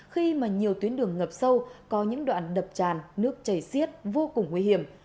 khi mà nhiều tuyến đường ngập sâu có những đoạn đập tràn nước chảy xiết vô cùng nguy hiểm